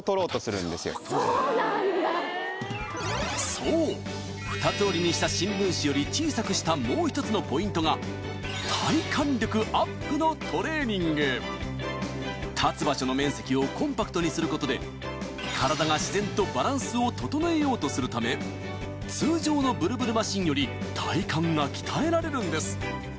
そう二つ折りにした新聞紙より小さくしたもう一つのポイントが立つ場所の面積をコンパクトにすることでため通常のブルブルマシンより体幹が鍛えられるんです